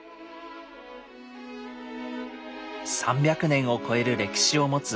３００年を超える歴史を持つ